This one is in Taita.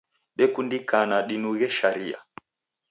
Dekundikana dinughe sharia